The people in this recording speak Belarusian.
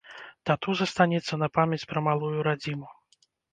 Тату застанецца на памяць пра малую радзіму.